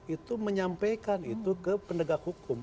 itu menyampaikan itu ke pendegak hukum